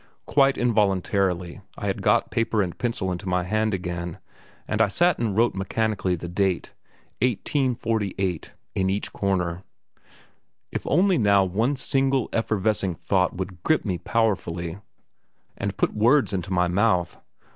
Quite involuntarily I had got paper and pencil into my hand again, and I sat and wrote mechanically the date, 1848, in each corner. If only now one single effervescing thought would grip me powerfully, and put words into my mouth.